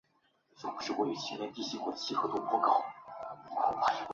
夏行美以功加同政事门下平章事之位。